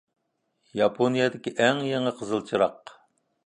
ياپونىيەدىكى ئەڭ يېڭى قىزىل چىراغ.